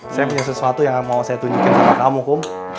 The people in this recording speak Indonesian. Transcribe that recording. saya punya sesuatu yang mau saya tunjukin sama kamu